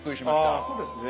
ああそうですね。